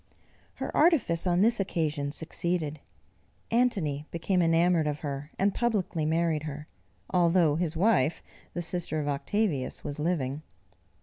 Her artifice on this occasion succeeded; Antony became enamoured of her, and publicly married her, although his wife the sister of Octavius was living.